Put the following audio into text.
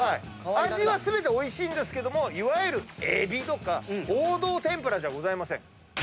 味は全ておいしいんですけどもいわゆるエビとか王道天ぷらじゃございません。